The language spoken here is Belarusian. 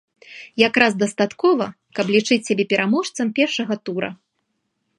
Якраз дастаткова, каб лічыць сябе пераможцам першага тура.